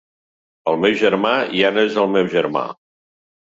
El meu germà ja no és el meu germà.